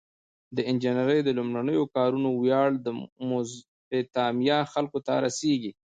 د انجنیری د لومړنیو کارونو ویاړ د میزوپتامیا خلکو ته رسیږي.